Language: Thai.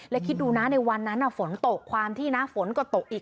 แล้วคิดดูนะในวันนั้นฝนตกความที่นะฝนก็ตกอีก